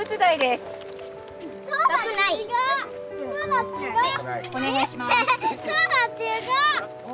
すごい。